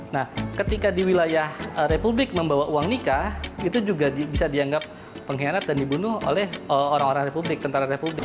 nah ketika di wilayah republik membawa uang nikah itu juga bisa dianggap pengkhianat dan dibunuh oleh orang orang republik tentara republik